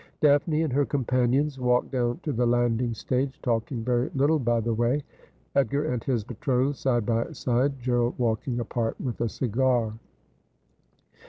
Daphne and her companions walked down to the landing stage, talking very little by the way. Edgar and his betrothed side by side, Gerald walking apart with a cigar.